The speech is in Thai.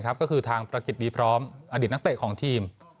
ก็คือทางประกิจดีพร้อมอดีตนักเตะของทีม